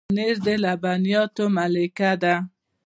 پنېر د لبنیاتو ملکه ده.